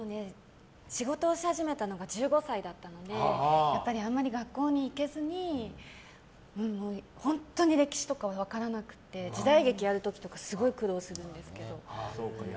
仕事をし始めたのが１５歳だったのでやっぱりあんまり学校に行けずに本当に歴史とか分からなくて時代劇をやる時とかすごく苦労するんですけど。